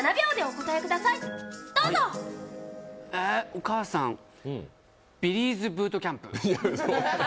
お母さんビリーズ・ブート・キャンプ？